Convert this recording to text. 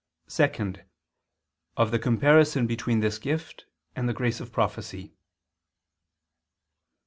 (2) Of the comparison between this gift and the grace of prophecy.